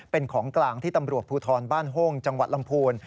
เป็นของกลางที่ตำรวจภูทรบ้านโฮ้งจังหวัดลำพูน